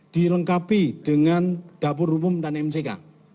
dilengkapi dengan dapur umum dan mck